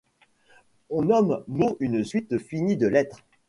On nomme mot une suite finie de lettres.